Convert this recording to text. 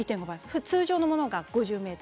通常のものが５０ｍ。